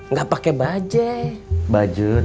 gak pake budget